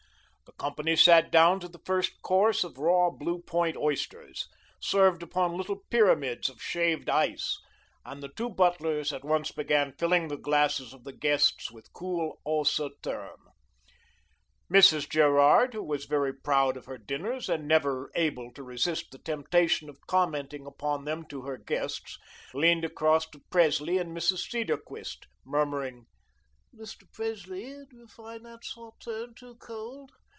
The company sat down to the first course of raw Blue Point oysters, served upon little pyramids of shaved ice, and the two butlers at once began filling the glasses of the guests with cool Haut Sauterne. Mrs. Gerard, who was very proud of her dinners, and never able to resist the temptation of commenting upon them to her guests, leaned across to Presley and Mrs. Cedarquist, murmuring, "Mr. Presley, do you find that Sauterne too cold?